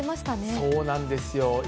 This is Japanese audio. そうなんですよ。